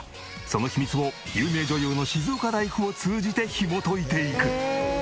その秘密を有名女優の静岡ライフを通じてひもといていく。